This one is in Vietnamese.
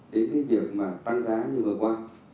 đến cái việc mà tăng giá như vừa qua